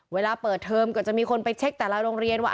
เวลาเปิดเทอมก็จะมีคนไปเช็คแต่ละโรงเรียนว่า